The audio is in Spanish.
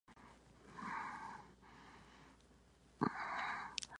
Aun así, Williams nunca consiguió convertirse en una estrella en los Estados Unidos.